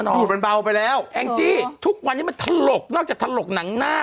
ดูดมันเบาไปแล้วแองจี้ทุกวันนี้มันถลกนอกจากถลกหนังหน้า